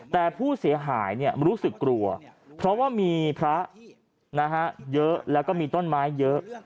แต่ผู้เสียหายรู้สึกกลัวเพราะว่ามีพระเยอะแล้วก็มีต้นไม้เยอะ